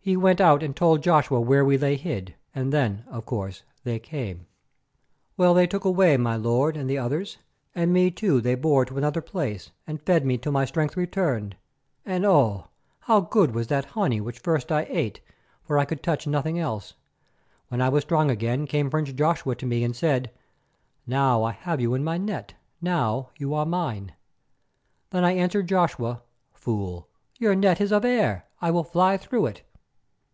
He went out and told Joshua where we lay hid, and then, of course, they came. Well, they took away my lord and the others, and me too they bore to another place and fed me till my strength returned, and oh! how good was that honey which first I ate, for I could touch nothing else. When I was strong again came Prince Joshua to me and said, "Now I have you in my net; now you are mine." Then I answered Joshua, "Fool, your net is of air; I will fly through it."